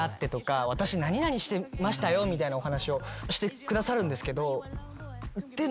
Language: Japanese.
みたいなお話をしてくださるんですけど。